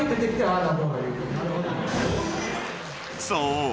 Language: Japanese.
［そう。